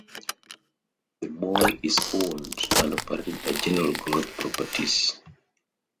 The mall is owned and operated by General Growth Properties.